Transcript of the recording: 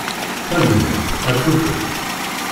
Tanemmirt! Ar tufat!